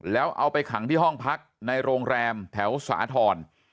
แล้วเอาไปขังที่ห้องพักในโรงแรมแถวสาธรณ์